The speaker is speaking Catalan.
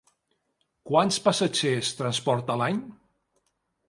Quants passatgers transporta a l'any?